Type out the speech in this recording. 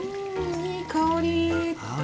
いい香り！